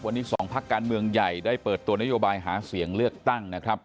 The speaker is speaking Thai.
วันนี้สองพักการเมืองใหญ่ได้เปิดตัวนโยบายหาเสียงเลือกตั้งนะครับ